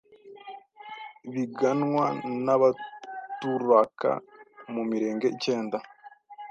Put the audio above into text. biganwa n’abaturaka mu mirenge icyenda